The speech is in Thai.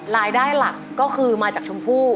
รายได้หลักก็คือมาจากชมพู่